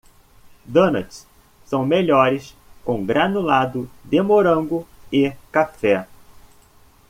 Donuts são melhores com granulado de morango e café.